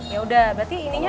ya udah berarti ininya